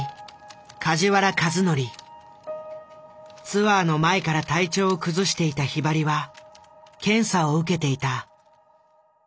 ツアーの前から体調を崩していたひばりは検査を受けていた。